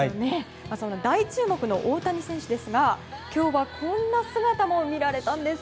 大注目の大谷選手ですが今日はこんな姿も見られたんです。